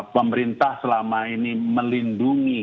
pemerintah selama ini melindungi